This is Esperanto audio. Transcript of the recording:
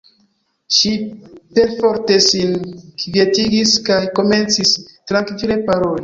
Ŝi perforte sin kvietigis kaj komencis trankvile paroli.